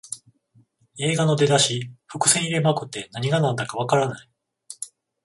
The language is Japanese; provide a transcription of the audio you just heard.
映画の出だし、伏線入れまくって何がなんだかわからない